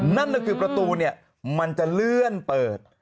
นั่นก็คือประตูเนี่ยมันจะเลื่อนเปิด